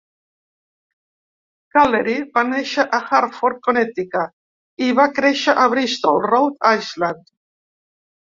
Callery va néixer a Hartford, Connecticut i va créixer a Bristol, Rhode Island.